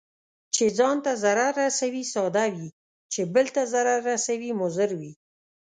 چي ځان ته ضرر رسوي، ساده وي، چې بل ته ضرر رسوي مضر وي.